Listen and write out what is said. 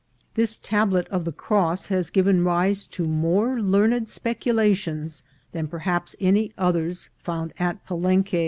This tablet of the cross has given rise to more learned spec ulations than perhaps any others found at Palenque.